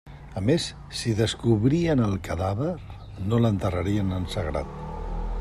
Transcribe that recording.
A més, si descobrien el cadàver, no l'enterrarien en sagrat.